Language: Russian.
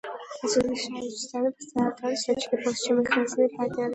Развивающиеся страны пострадали значительно больше, чем их развитые партнеры.